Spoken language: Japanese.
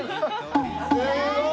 すごい！